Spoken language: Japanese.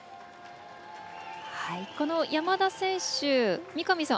山田選手、三上さん